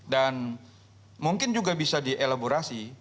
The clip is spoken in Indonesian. dan mungkin juga bisa dielaborasi